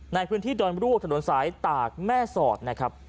ในพื้นที่ดอนรวกถนนสายตากแม่สอดนะครับ